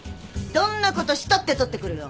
どんなことしたって取ってくるよ。